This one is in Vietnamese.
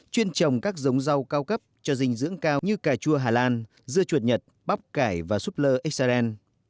chuyên trồng các giống rau cao cấp cho dinh dưỡng cao như cà chua hà lan dưa chuột nhật bắp cải và súp lơ israel